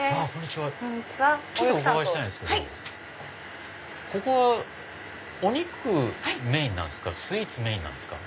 ちょっとお伺いしたいんですけどここはお肉メインなんですか？